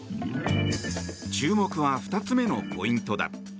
注目は２つ目のポイントだ。